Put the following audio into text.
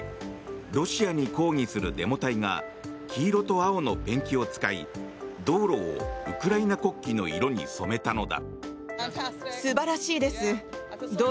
ロシアに抗議するデモ隊が黄色と青のペンキを使い道路をウクライナ国旗の色に染めたのだ。